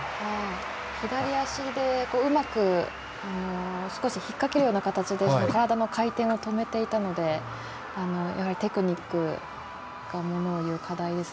左足でうまく引っ掛けるような形で体の回転を止めていたのでテクニックがものをいう課題です。